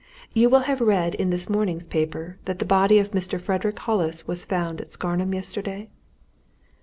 You will have read in this morning's paper that the body of Mr. Frederick Hollis was found at Scarnham yesterday?"